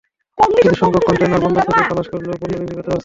কিছু সংখ্যক কনটেইনার বন্দর থেকে খালাস করলেও পণ্য বিক্রি করতে পারছি না।